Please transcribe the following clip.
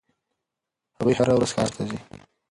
هغوی هره ورځ ښار ته ځي.